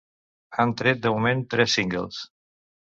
Han tret de moment tres singles.